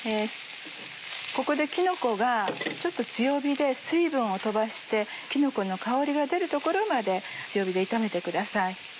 ここできのこが強火で水分を飛ばしてきのこの香りが出るところまで強火で炒めてください。